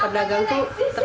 salud lah keren